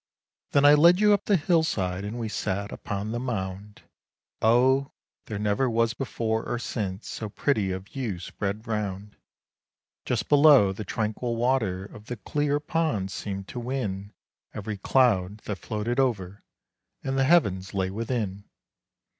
Then I led you up the hillside and we sat upon the "mound." Oh! there never was before or since so pretty a view spread 'round. Just below, the tranquil water of the clear pond seemed to win Every cloud that floated over, and the heavens lay within.